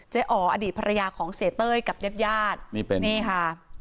เจ้าอ๋ออดีตภรรยาของเศรษฐ์เต้ยกับย่านี้ค่ะ